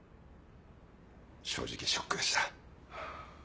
正直ショックでした。